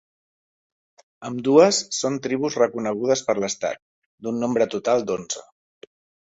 Ambdues són tribus reconegudes per l'estat; d'un nombre total d'onze.